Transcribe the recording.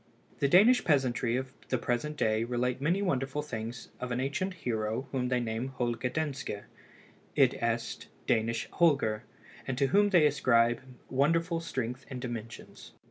The Danish peasantry of the present day relate many wonderful things of an ancient hero whom they name Holger Danske, i.e. Danish Holger, and to whom they ascribe wonderful strength and dimensions.